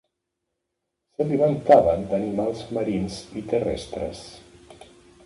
S'alimentaven d'animals marins i terrestres.